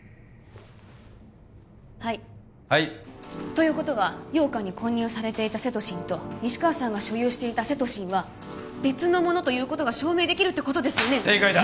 はいはいということは羊羹に混入されていたセトシンと西川さんが所有していたセトシンは別のものということが証明できるってことですよね正解だ！